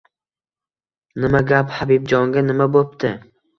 — Nima gap?! Habibjonga nima bo‘pti?!